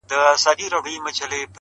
o خواړه د رنگه خوړل کېږي!